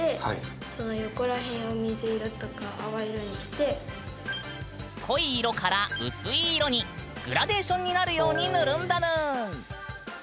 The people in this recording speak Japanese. でだから濃い色から薄い色にグラデーションになるように塗るんだぬん。